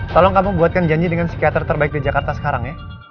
tolong kamu buatkan janji dengan psikiater terbaik di jakarta sekarang ya